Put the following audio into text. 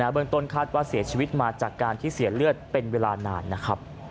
เบื้องต้นคาดว่าเสียชีวิตมาจากการที่เสียเลือดเป็นเวลานานนะครับ